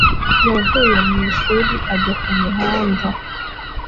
yavuye mu ishuri ajya ku mihanda